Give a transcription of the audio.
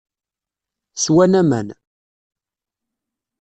Swan aman.